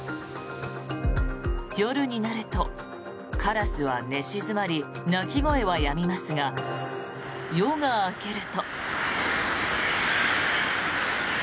夜になると、カラスは寝静まり鳴き声はやみますが夜が明けると。